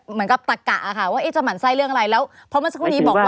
เหมือนกับตะกะค่ะว่าเอ๊ะจะหมั่นไช่เรื่องอะไรแล้วเพราะเมื่อสักครู่นี้บอกว่า